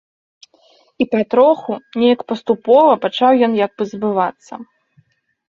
І патроху, нейк паступова пачаў ён як бы забывацца.